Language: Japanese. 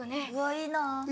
いいな。